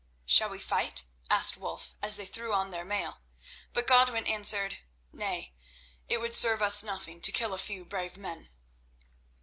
"Shall we fight?" asked Wulf as they threw on their mail. But Godwin answered: "Nay, it would serve us nothing to kill a few brave men."